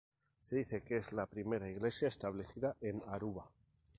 Se dice que es la primera iglesia establecida en Aruba.